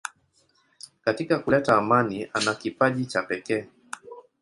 Katika kuleta amani ana kipaji cha pekee.